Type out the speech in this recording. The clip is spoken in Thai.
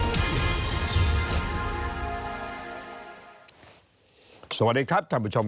สวัสดีครับท่านผู้ชม